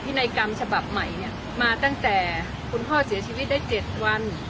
นัยกรรมฉบับใหม่เนี่ยมาตั้งแต่คุณพ่อเสียชีวิตได้๗วัน